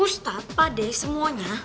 ustaz pade semuanya